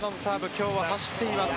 今日は走っています。